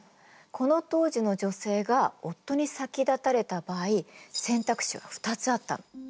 この当時の女性が夫に先立たれた場合選択肢は２つあったの。